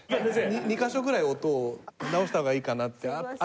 ２カ所ぐらい音を直した方がいいかなって。